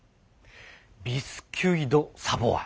ビスキュイ・ド・サヴォワ。